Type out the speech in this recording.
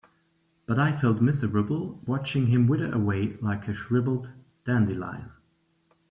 But I felt miserable watching him wither away like a shriveled dandelion.